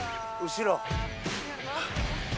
後ろ。